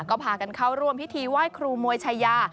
ก็พากันเข้าร่วมพิธีไหว้ครูมวยชายา